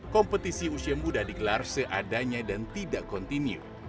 kompetisi usia muda digelar seadanya dan tidak kontinu